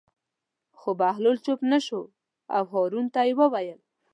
خو بهلول چوپ نه شو او هارون ته یې وویل.